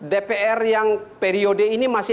dpr yang periode ini masih